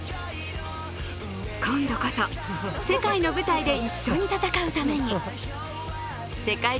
今度こそ、世界の舞台で一緒に戦うために世界一